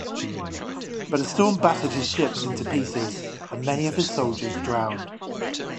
But a storm battered his ships into pieces and many of his soldiers drowned.